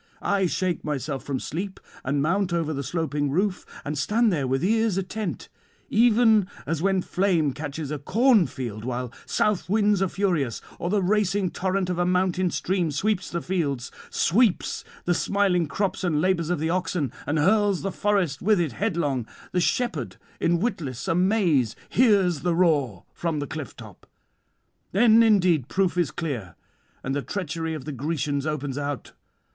I shake myself from sleep and mount over the sloping roof, and stand there with ears attent: even as when flame catches a corn field while south winds are furious, or the racing torrent of a mountain stream sweeps the fields, sweeps the smiling crops and labours of the oxen, and hurls the forest with it headlong; the shepherd in witless amaze hears the roar from the cliff top. Then indeed proof is clear, and the treachery of the Grecians opens out.